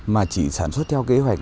mà chỉ sản xuất theo kế hoạch